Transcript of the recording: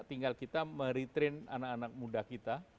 tinggal kita meretrain anak anak muda kita